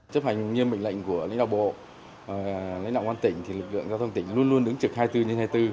chấp hành nghiêm bệnh lệnh của lý đạo bộ lý đạo quan tỉnh thì lực lượng giao thông tỉnh luôn luôn đứng trực hai mươi bốn trên hai mươi bốn